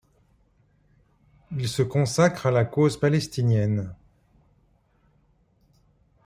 Il se consacre à la cause palestinienne.